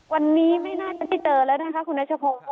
วันนี้ไม่น่าจะได้เจอแล้วนะคะคุณนัชพงศ์